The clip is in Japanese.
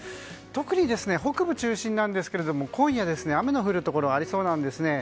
特に北部中心なんですが今夜、雨の降るところがありそうなんですね。